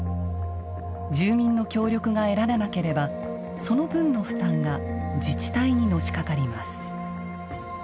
住民の協力が得られなければその分の負担が自治体に、のしかかります。